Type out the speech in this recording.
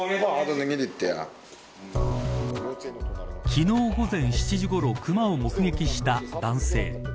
昨日午前７時ごろ熊を目撃した男性。